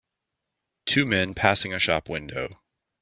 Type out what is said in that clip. Two men passing a shop window.